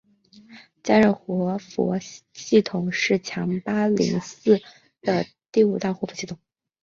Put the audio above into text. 嘉热活佛系统是强巴林寺的第五大活佛系统。